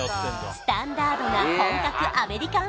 スタンダードな本格アメリカン